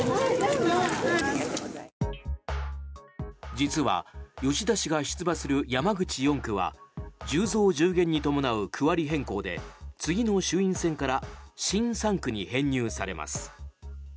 実は吉田氏が出馬する山口４区は１０増１０減に伴う区割り変更で次の衆院選から新３区に編入されます。